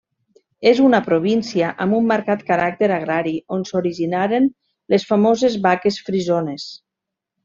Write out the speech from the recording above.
És una província amb un marcat caràcter agrari, on s'originaren les famoses vaques frisones.